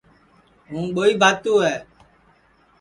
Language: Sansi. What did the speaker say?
ہوں ٻوہی بھاتو ہے